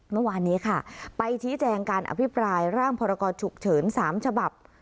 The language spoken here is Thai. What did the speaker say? เมื่อวานนี้ค่ะไปชี้แจงการอภิปรายร่างพรกรฉุกเฉิน๓ฉบับ